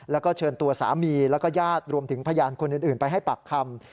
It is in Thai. แล้วก็เชิญตัวสามีแล้วก็ญาติรวมถึงพยานคนอื่นไปให้ปากคำ